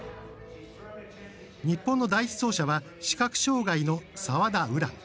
日本の第１走者は視覚障がいの澤田優蘭。